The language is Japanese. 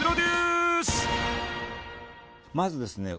まずですね